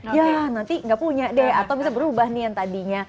ya nanti gak punya deh atau bisa berubah nih yang tadinya